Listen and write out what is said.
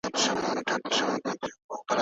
د ښوونکو لپاره د استوګنې ځانګړي ځایونه نه وو.